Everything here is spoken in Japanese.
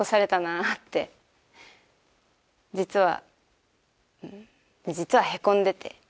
実は。